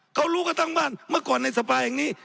เขารู้กันทั้งบ้านเมื่อก่อนในสภาแห่งนี้